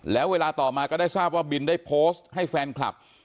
แล้วเวลาต่อมาก็ได้ทราบว่าบินได้โพสต์ให้แฟนคลับ